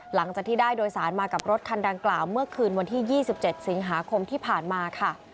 หลังจากที่ได้โดยสารมากับรถคันดังกล่าวเมื่อคืนวันที่๒๗สิงหาคมที่ผ่านมาค่ะ